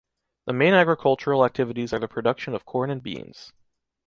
The main agricultural activities are the production of corn and beans.